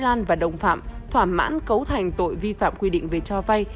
trương mỹ lan và đồng phạm thỏa mãn cấu thành tội vi phạm quy định về cho vay